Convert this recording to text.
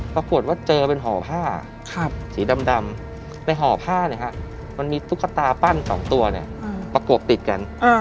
ปรากฏว่าเจอเป็นห่อผ้าสีดำไปห่อผ้ามันมีตุ๊กตาปั้น๒ตัวประกบติดกัน